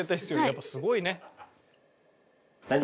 やっぱすごいね。